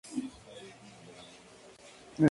Luego estudia botánica y microscopía en Alemania.